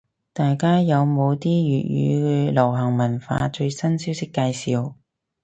大家有冇啲粵語流行文化最新消息介紹？